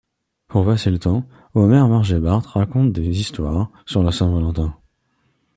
Pour passer le temps, Homer, Marge et Bart racontent des histoires sur la Saint-Valentin.